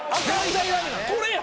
これや。